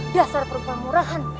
dasar perubahan murahan